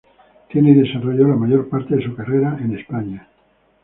Tiene y desarrolló la mayor parte de su carrera en España.